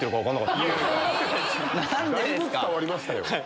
だいぶ伝わりましたよ。